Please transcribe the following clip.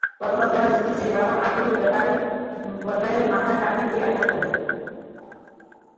গতকাল জয়নাল শিকল ছিঁড়ে বাবা আবুল বশরের মাথায় লাঠি দিয়ে আঘাত করে।